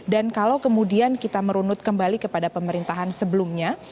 kalau kemudian kita merunut kembali kepada pemerintahan sebelumnya